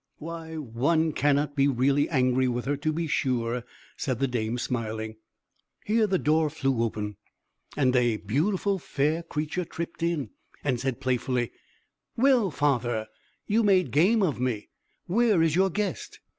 "Why, one cannot be really angry with her, to be sure," said the dame, smiling. Here the door flew open, and a beautiful fair creature tripped in, and said, playfully: "Well, father, you made game of me; where is your guest?"